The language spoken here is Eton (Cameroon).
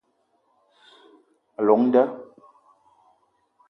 A llong nda